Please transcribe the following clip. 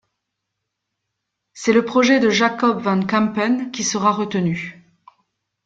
C'est le projet de Jacob van Campen qui sera retenu.